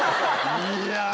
いや。